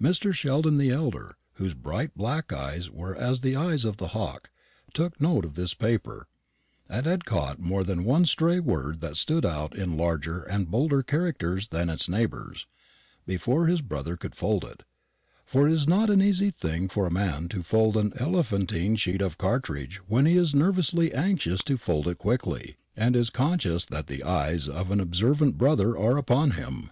Mr. Sheldon the elder, whose bright black eyes were as the eyes of the hawk, took note of this paper, and had caught more than one stray word that stood out in larger and bolder characters than its neighbours, before his brother could fold it; for it is not an easy thing for a man to fold an elephantine sheet of cartridge when he is nervously anxious to fold it quickly, and is conscious that the eyes of an observant brother are upon him.